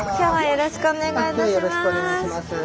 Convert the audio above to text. よろしくお願いします。